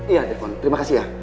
iya delfon terima kasih ya